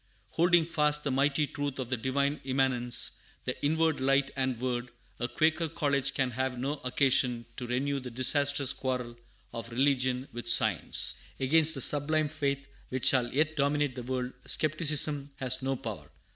Holding fast the mighty truth of the Divine Immanence, the Inward Light and Word, a Quaker college can have no occasion to renew the disastrous quarrel of religion with science. Against the sublime faith which shall yet dominate the world, skepticism has no power.